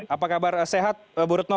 apa kabar sehat bu retno